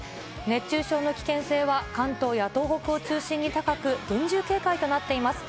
熱中症の危険性は関東や東北を中心に高く、厳重警戒となっています。